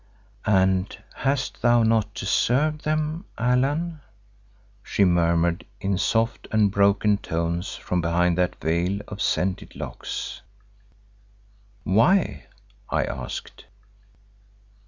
"And hast thou not deserved them, Allan?" she murmured in soft and broken tones from behind that veil of scented locks. "Why?" I asked.